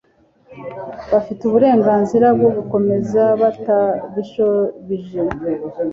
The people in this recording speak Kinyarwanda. bafite uburenganzira bwo gukomeza batabishubije